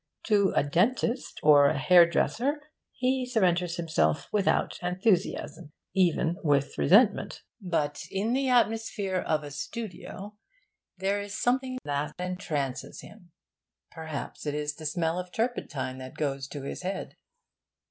To a dentist or a hairdresser he surrenders himself without enthusiasm, even with resentment. But in the atmosphere of a studio there is something that entrances him. Perhaps it is the smell of turpentine that goes to his head.